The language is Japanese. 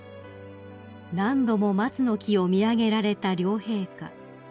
［何度も松の木を見上げられた両陛下］